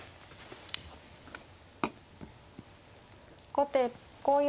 後手５四